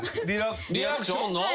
リアクションの？